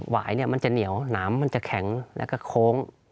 วายมันจะเหนียวหนามมันจะแข็งแล้วก็โค้ง